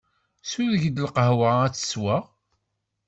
Sureg-d lqahwa ad tt-sweɣ.